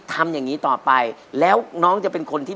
เพราะว่าเพราะว่าเพราะ